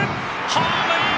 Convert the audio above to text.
ホームイン！